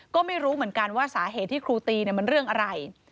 ก็ไม่รู้เหมือนกันว่าสาเหตุที่ครูตีมันเรื่องอะไร